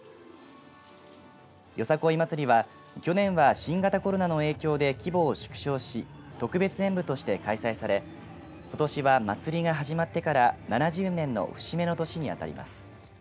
よさこい祭りは去年は新型コロナの影響で規模を縮小し特別演舞として開催されことしは祭りが始まってから７０年の節目の年に当たります。